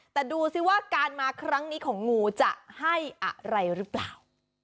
แต่ดูสิว่าการมาครั้งนี้ของงูจะให้อะไรหรือเปล่า